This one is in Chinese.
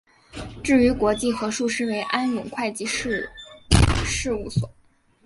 至于国际核数师为安永会计师事务所。